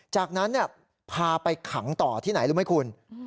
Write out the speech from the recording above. จากนั้นพาไปขังต่อที่ไหนรู้ไหมคุณ